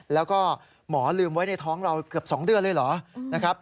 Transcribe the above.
แล้วก็หมอลืมไว้ในท้องเราเกือบ๒เดือนเลยเหรอนะครับ